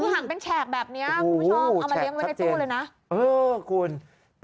คือหางเป็นแฉกแบบนี้คุณผู้ชมเอามาเลี้ยงไว้ในตู้เลยนะ